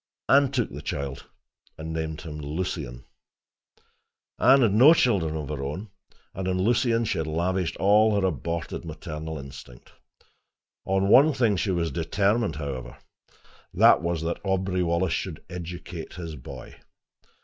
Anne took the child, and named him Lucien. Anne had had no children of her own, and on Lucien she had lavished all her aborted maternal instinct. On one thing she was determined, however: that was that Aubrey Wallace should educate his boy.